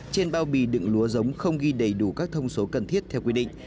trên bao bì đựng lúa giống không ghi đầy đủ các thông số cần thiết theo quy định